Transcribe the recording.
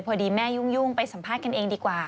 พอดีแม่ยุ่งไปสัมภาษณ์กันเองดีกว่า